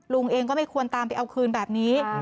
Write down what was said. ลุงเองก็ไม่ควรตามไปเอาคืนแบบนี้